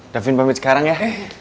davin pamit sekarang ya